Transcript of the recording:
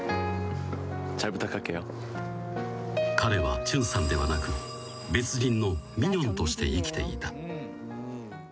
［彼はチュンサンではなく別人のミニョンとして生きていた］